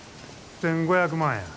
１，５００万や。